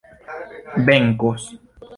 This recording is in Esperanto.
venkos